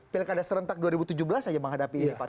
pilkada serentak dua ribu tujuh belas saja menghadapi ini pak